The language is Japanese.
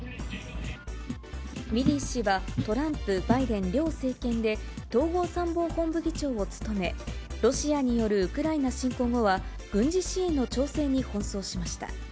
ミリー氏はトランプ、バイデン両政権で、統合参謀本部議長を務め、ロシアによるウクライナ侵攻後は、軍事支援の調整に奔走しました。